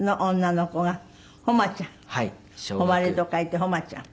誉れと書いて誉ちゃん。